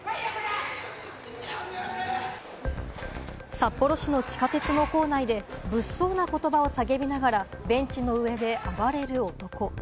札幌市の地下鉄の構内で、物騒な言葉を叫びながらベンチの上で暴れる男。